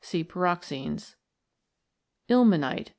See Pyroxenes. Ilmenite.